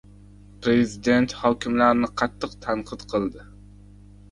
Prezident hokimlarni qattiq tanqid qildi